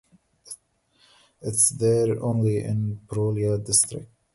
It is there only in Purulia district.